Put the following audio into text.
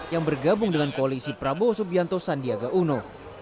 yang bergabung dengan koalisi prabowo subianto sandiaga uno